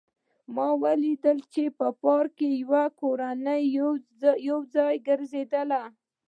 ما ولیدل چې په پارک کې یوه کورنۍ یو ځای ګرځېدله